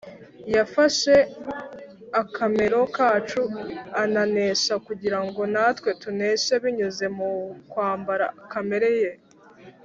yafashe akamero kacu aranesha kugira ngo natwe tuneshe binyuze mu kwambara kamere ye